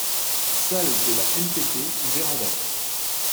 Salle de la MPT ou véranda.